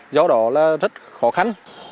do đó là rất khó khăn